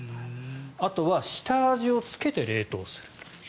あとは下味をつけて冷凍する。